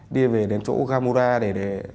đi về đến chỗ gamura để